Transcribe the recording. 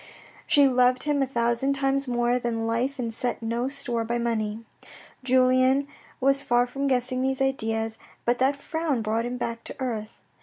She loved him a thousand times more than life and set no store by money. Julien was lar from guessing these ideas, but that frown brought him back to earth.